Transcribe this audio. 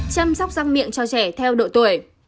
chăm sóc răng miệng cho trẻ theo độ tuổi